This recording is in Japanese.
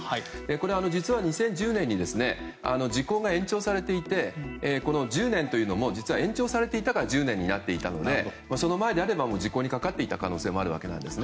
これは実は２０１０年に時効が延長されていて１０年というのも実は延長されていたから１０年になっていたのでその前であれば時効にかかっていた可能性もあるわけです。